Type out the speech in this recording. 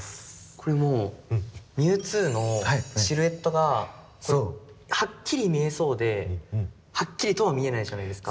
これもうミュウツーのシルエットがはっきり見えそうではっきりとは見えないじゃないですか。